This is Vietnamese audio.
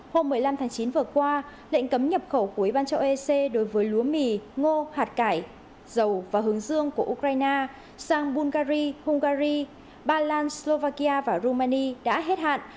hôm một mươi năm tháng chín vừa qua lệnh cấm nhập khẩu cuối ban châu ec đối với lúa mì ngô hạt cải dầu và hướng dương của ukraine sang bulgaria hungary ba lan slovakia và romania đã hết hạn